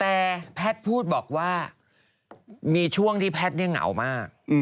แต่แพทย์พูดบอกว่ามีช่วงที่แพทย์เนี่ยเหงามาก